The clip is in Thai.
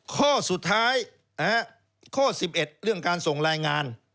ข้อสุดท้ายข้อ๑๑เรื่องการส่งรายงาน